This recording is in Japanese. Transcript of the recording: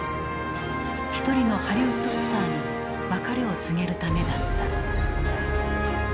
一人のハリウッドスターに別れを告げるためだった。